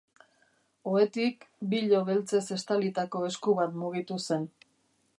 Ohetik, bilo beltzez estalitako esku bat mugitu zen.